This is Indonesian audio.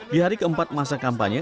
di hari keempat masa kampanye